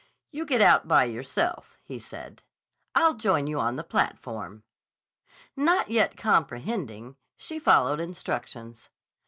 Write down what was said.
"You get out by yourself," he said. "I'll join you on the platform." Not yet comprehending, she followed instructions.